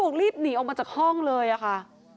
บอกว่ารีบหนีออกมาจากห้องเลยค่ะ